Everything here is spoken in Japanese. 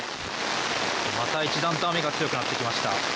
また一段と雨が強くなってきました。